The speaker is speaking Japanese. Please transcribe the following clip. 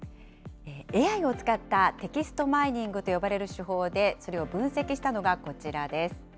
ＡＩを使ったテキストマイニングと呼ばれる手法で、それを分析したのがこちらです。